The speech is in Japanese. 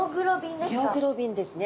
ミオグロビンですか？